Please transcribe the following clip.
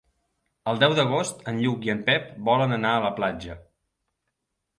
El deu d'agost en Lluc i en Pep volen anar a la platja.